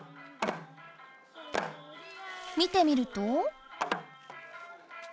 見てみると。